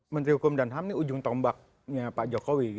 menteri hukum dan ham ini ujung tombaknya pak jokowi